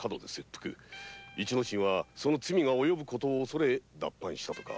一之進はその罪が及ぶのを恐れ脱藩致したとか。